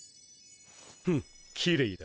フッきれいだ。